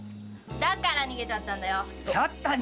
だから逃げちゃったんだよ。